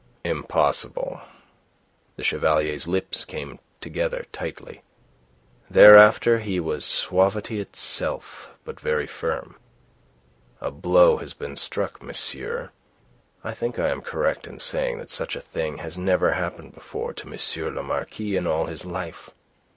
"Impossible." The Chevalier's lips came together tightly. Thereafter he was suavity itself, but very firm. "A blow has been struck, monsieur. I think I am correct in saying that such a thing has never happened before to M. le Marquis in all his life.